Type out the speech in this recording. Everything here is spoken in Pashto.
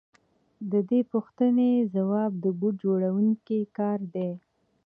د دې پوښتنې ځواب د بوټ جوړونکي کار دی